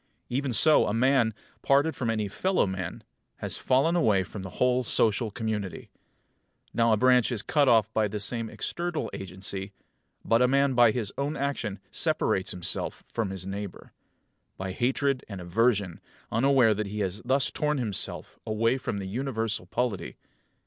Even so a man, parted from any fellow man, has fallen away from the whole social community. Now a branch is cut off by some external agency; but a man by his own action separates himself from his neighbour by hatred and aversion, unaware that he has thus torn himself away from the universal polity.